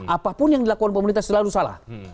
apapun yang dilakukan pemerintah selalu salah